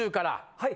はい。